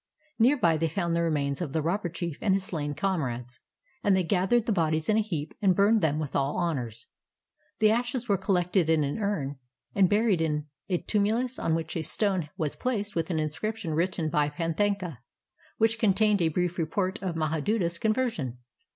Near by they found the remains of the robber chief and his slain comrades, and they gathered the bodies in a heap and burned them with all honors. The ashes were collected in an urn and buried in a tumulus on which a stone was placed with an inscription written by Panthaka, which contained a brief report of Mahaduta's conversion.